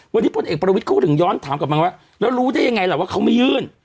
วันนี้พลเอกประวิทย์เขาถึงย้อนถามกลับมาว่าแล้วรู้ได้ยังไงล่ะว่าเขาไม่ยื่น